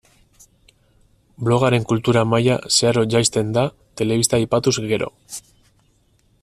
Blogaren kultura maila zeharo jaisten da telebista aipatuz gero.